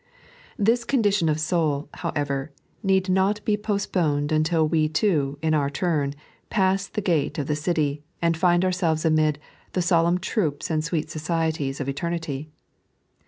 This condition of soul, however, need not be postponed until we too, in our turn, paw the Gate of the City, and find ourselves amid "the solemn troops and sweet societies" of eternity.